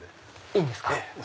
いいんですか。